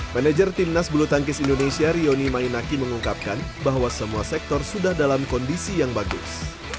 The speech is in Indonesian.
manajer timnas bulu tangkis indonesia rioni mainaki mengungkapkan bahwa semua sektor sudah dalam kondisi yang bagus